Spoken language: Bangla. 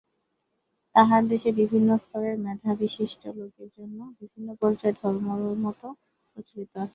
তাঁহার দেশে বিভিন্ন স্তরের মেধাবিশিষ্ট লোকের জন্য বিভিন্ন পর্যায়ের ধর্মমত প্রচলিত আছে।